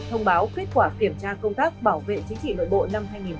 thông báo kết quả kiểm tra công tác bảo vệ chính trị nội bộ năm hai nghìn một mươi chín